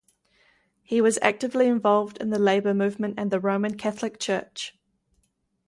He was actively involved in the labour movement and the Roman Catholic church.